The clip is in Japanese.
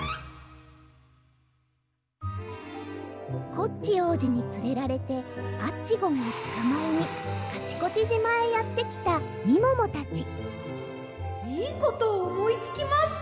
コッチおうじにつれられて「アッチゴン」をつかまえにカチコチじまへやってきたみももたちいいことをおもいつきました！